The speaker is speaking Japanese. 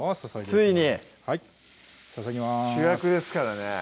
ついに注ぎます主役ですからね